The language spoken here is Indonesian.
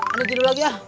ini judul lagi ah